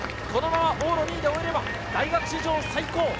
このまま往路２位で終えれば大学史上最高。